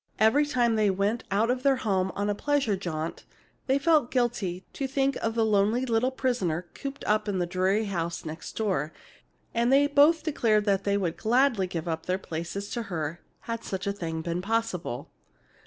Every time they went out of their home on a pleasure jaunt, they felt guilty, to think of the lonely little prisoner cooped up in the dreary house next door, and both declared they would gladly give up their places to her, had such a thing been possible.